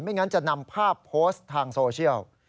งั้นจะนำภาพโพสต์ทางโซเชียล